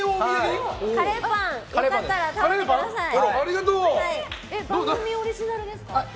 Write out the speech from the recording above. カレーパンよかったら食べてください。